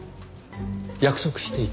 約束していた？